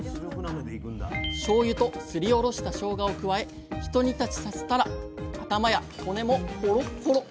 しょうゆとすりおろしたしょうがを加えひと煮立ちさせたら頭や骨もホロッホロッ！